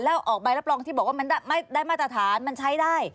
แล้วออกใบรับรองที่บอกว่ามันไม่ได้มาตรฐานมันใช้ได้